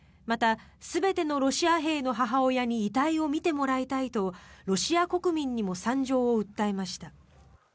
また全てのロシア兵の母親に遺体を見てもらいたいとロシア国民にも惨状を訴えました。